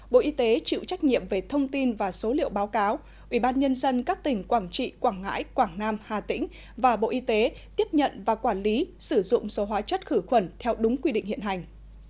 bộ y tế chịu trách nhiệm về thông tin và số liệu báo cáo ubnd các tỉnh quảng trị quảng ngãi quảng nam hà tĩnh và bộ y tế tiếp nhận và quản lý sử dụng số hóa chất khử khuẩn theo đúng quy định hiện hành